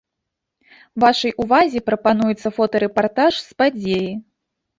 Вашай увазе прапануецца фотарэпартаж з падзеі.